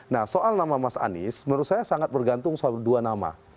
nah soal nama mas anies menurut saya sangat bergantung soal dua nama